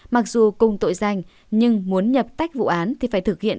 mặc dù cùng tội danh nhưng muốn nhập tách vụ án thì phải thực hiện